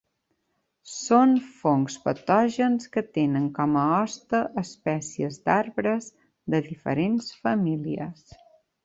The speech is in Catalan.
Són fongs patògens que tenen com a hoste espècies d'arbres de diferents famílies.